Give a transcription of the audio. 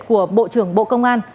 của bộ trưởng bộ công an